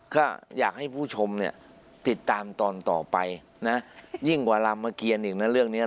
ก็อยากให้ผู้ชมเนี่ยติดตามตอนต่อไปนะยิ่งกว่ารามเกียรอีกนะเรื่องนี้